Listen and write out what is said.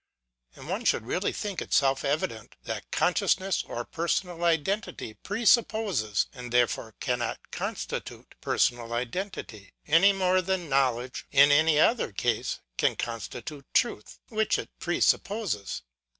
And one should really think it self evident, that consciousness of personal identity presupposes, and therefore cannot constitute, personal identity : any more than knowledge, in any other case, can constitute truth, which it presupposes.